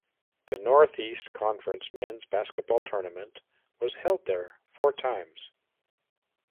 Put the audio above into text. The Northeast Conference men's basketball tournament was held there four times.